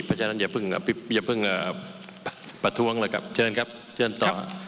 เพราะฉะนั้นอย่าเพิ่งประท้วงเลยครับเชิญครับเชิญต่อ